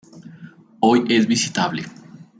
Hoy es visitable.